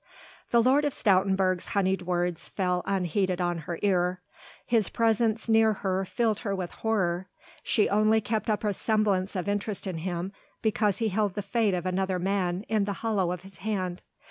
The Lord of Stoutenburg's honeyed words fell unheeded on her ear; his presence near her filled her with horror; she only kept up a semblance of interest in him, because he held the fate of another man in the hollow of his hand.